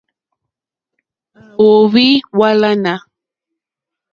À óhwì hwálánà.